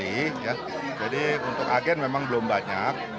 jadi kita lagi review ulang kembali ya jadi untuk agen memang belum banyak